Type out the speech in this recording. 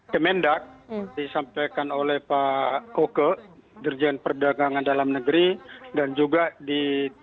kemendak disampaikan oleh pak oke dirjen perdagangan dalam negeri dan juga di